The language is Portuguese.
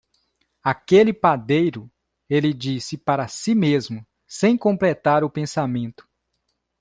"Aquele padeiro..." ele disse para si mesmo, sem completar o pensamento.